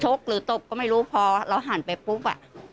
หรือตบก็ไม่รู้พอเราหันไปปุ๊บ